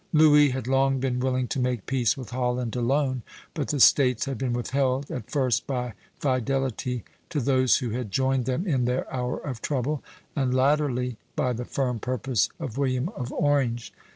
Louis had long been willing to make peace with Holland alone; but the States had been withheld, at first by fidelity to those who had joined them in their hour of trouble, and latterly by the firm purpose of William of Orange.